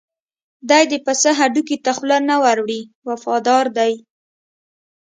دی د پسه هډوکي ته خوله نه ور وړي وفادار دی.